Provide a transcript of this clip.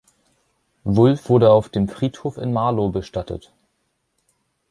Wulf wurde auf dem Friedhof in Marlow bestattet.